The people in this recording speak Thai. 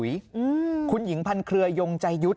อืมคุณหญิงพันเครือยงใจยุทธ์